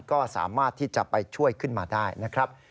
ก็สามารถที่จะไปช่วยขึ้นมาได้นะครับ